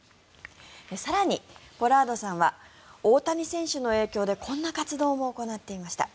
更に、ポラードさんは大谷選手の影響でこんな活動も行っていました。